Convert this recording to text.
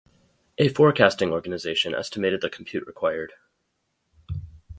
A forecasting organisation estimated the compute required.